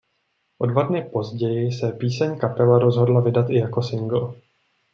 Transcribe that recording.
O dva dny později se píseň kapela rozhodla vydat i jako singl.